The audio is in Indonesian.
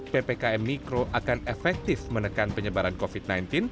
ppkm mikro akan efektif menekan penyebaran covid sembilan belas